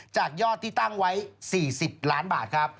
จากยอดที่ตั้งไว้๔๐ล้านบาทครับ